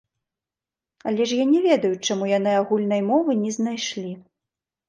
Але я ж не ведаю, чаму яны агульнай мовы не знайшлі.